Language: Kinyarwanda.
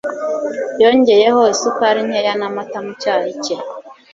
yongeyeho isukari nkeya n'amata mu cyayi cye